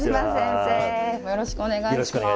よろしくお願いします。